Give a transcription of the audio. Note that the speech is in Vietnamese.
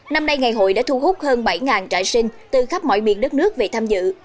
năm nay ngày hội đã thu hút hơn bảy trại sinh từ khắp mọi miền đất nước về tham dự